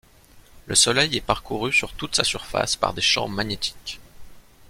Le Soleil est parcouru sur toute sa surface par des champs magnétiques.